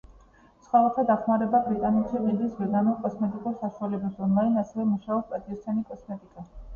ცხოველთა დახმარება ბრიტანეთში ყიდის ვეგანურ კოსმეტიკურ საშუალებებს ონლაინ, ასევე მუშაობს პატიოსანი კოსმეტიკა.